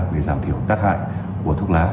để giảm thiểu tác hại của thuốc lá